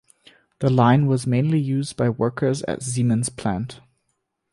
The line was mainly used by workers at the Siemens plant.